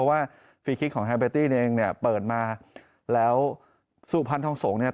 นะครับเพราะว่าของเนี่ยเปิดมาแล้วสู่พันธ์ทองส่งเนี่ย